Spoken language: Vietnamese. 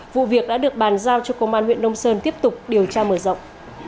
vụ việc đã được bàn giao cho công an huyện nông sơn tiếp tục điều tra mở rộng